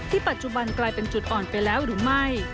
ปัจจุบันกลายเป็นจุดอ่อนไปแล้วหรือไม่